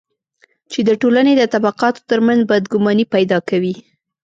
چې د ټولنې د طبقاتو ترمنځ بدګماني پیدا کوي.